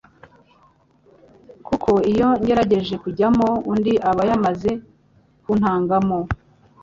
kuko iyo ngerageje kujyamo undi aba yamaze kuntangamo.”